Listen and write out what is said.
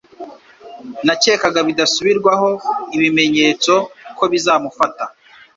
Nakekaga bidasubirwaho ibimenyetso kobizamufata